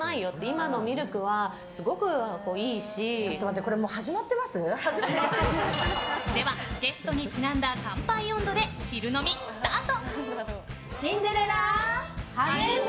今のミルクはでは、ゲストにちなんだ乾杯音頭で昼飲みスタート。